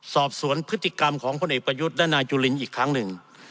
สอบสวนพฤติกรรมของพลเอกประยุทธ์และนายจุลินอีกครั้งหนึ่ง